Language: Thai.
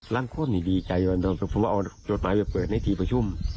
ล้านคนนี่ดีใจว่าผมเอาจดหมายไปเปิดในที่ประชุม